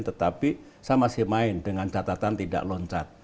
tetapi saya masih main dengan catatan tidak loncat